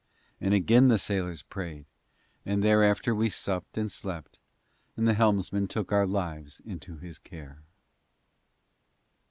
And again the sailors prayed, and thereafter we supped and slept, and the helmsman took our lives into his care.